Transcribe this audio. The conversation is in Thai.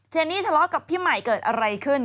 นี่ทะเลาะกับพี่ใหม่เกิดอะไรขึ้น